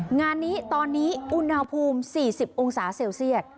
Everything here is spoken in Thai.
งานนี้ตอนนี้อุณหภูมิ๔๐องศาเซลเซียต